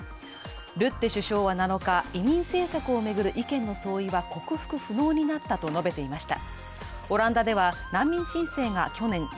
ルッテ首相は７日、移民政策を巡る意見の相違は克服不能になったと述べていました。